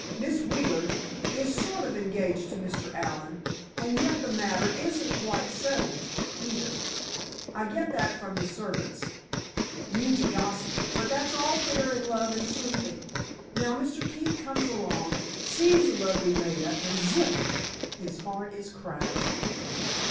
Miss Wheeler is sort of engaged to Mr. Allen, and yet the matter isn't quite settled, either. I get that from the servants—mean to gossip, but all's fair in love and sleuthing. Now, Mr. Keefe comes along, sees the lovely Maida, and, zip! his heart is cracked!